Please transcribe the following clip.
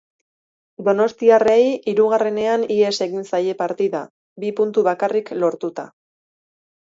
Donostiarrei hirugarrenean ihes egin zaie partida, bi puntu bakarrik lortuta.